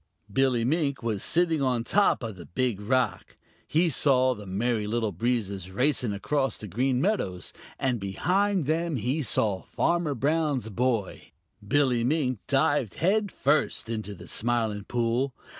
Billy Mink was sitting on top of the Big Rock. He saw the Merry Little Breezes racing across the Green Meadows, and behind them he saw Farmer Brown's boy. Billy Mink dived head first into the Smiling Pool.